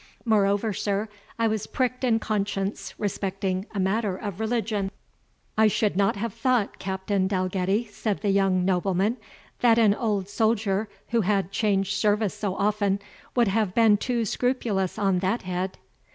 Moreover, sir, I was pricked in conscience respecting a matter of religion." "I should not have thought, Captain Dalgetty," said the young nobleman, "that an old soldier, who had changed service so often, would have been too scrupulous on that head."